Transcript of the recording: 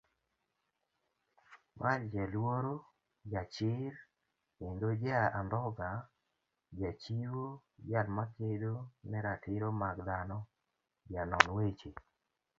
marJaluoro, jachir, kendoja andhoga Jachiwo, jalmakedo neratiro mag dhano, janon weche